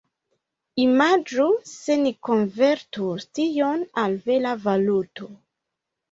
Imagu se ni konvertus tion al vera valuto.